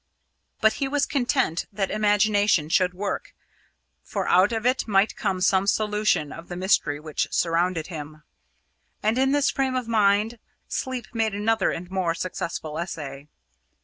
But he was content that imagination should work, for out of it might come some solution of the mystery which surrounded him. And in this frame of mind, sleep made another and more successful essay.